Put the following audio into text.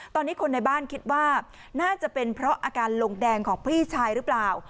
ตอนนี้คนในบ้านคิดว่าน่าจะเป็นเพราะอาการลงแดงของพี่ชายหรือเปล่า